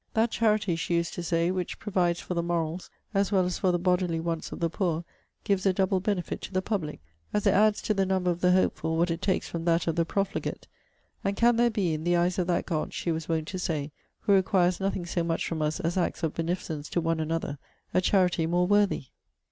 'That charity,' she used to say, 'which provides for the morals, as well as for the bodily wants of the poor, gives a double benefit to the public, as it adds to the number of the hopeful what it takes from that of the profligate. And can there be, in the eyes of that God, she was wont to say, who requires nothing so much from us as acts of beneficence to one another, a charity more worthy?'